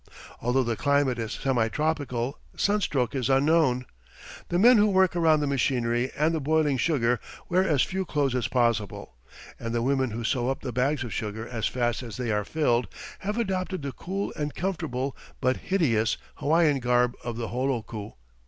Although the climate is semi tropical sunstroke is unknown. The men who work around the machinery and the boiling sugar wear as few clothes as possible, and the women who sew up the bags of sugar as fast as they are filled, have adopted the cool and comfortable but hideous Hawaiian garb of the holoku.